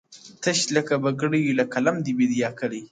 • تش له بګړیو له قلمه دی، بېدیا کلی دی ,